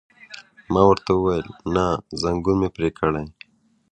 ما ورته وویل: نه، ځنګون مې پرې کړئ.